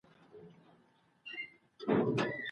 ټیسټوسټرون د نارینه اغېز زیاتوي.